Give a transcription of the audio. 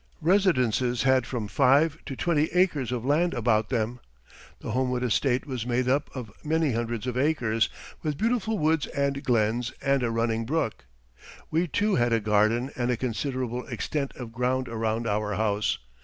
Residences had from five to twenty acres of land about them. The Homewood Estate was made up of many hundreds of acres, with beautiful woods and glens and a running brook. We, too, had a garden and a considerable extent of ground around our house.